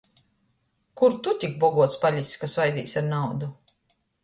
Kur tu tik boguots palics, ka svaidīs ar naudu?!